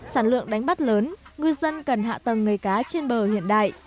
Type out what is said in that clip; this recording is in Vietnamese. sản lượng đánh bắt lớn ngư dân cần hạ tầng nghề cá trên bờ hiện đại